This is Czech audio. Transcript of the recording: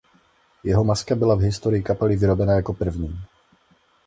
Jeho maska byla v historii kapely vyrobena jako první.